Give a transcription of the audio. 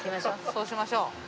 そうしましょう。